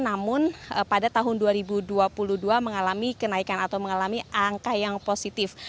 namun pada tahun dua ribu dua puluh dua mengalami kenaikan atau mengalami angka yang positif